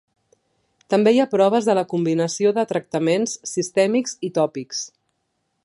També hi ha proves de la combinació de tractaments sistèmics i tòpics.